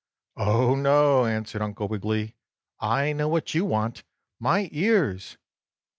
"Oh, no!" answered Uncle Wiggily. "I know what you want—my ears!"